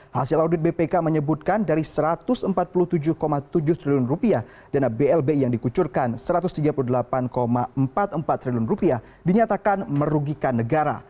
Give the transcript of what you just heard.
hasil audit bpk menyebutkan dari rp satu ratus empat puluh tujuh tujuh triliun dana blbi yang dikucurkan rp satu ratus tiga puluh delapan empat puluh empat triliun dinyatakan merugikan negara